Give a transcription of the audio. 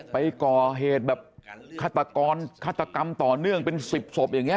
ไปก่อเหตุแบบฆาตกรฆาตกรรมต่อเนื่องเป็น๑๐ศพอย่างนี้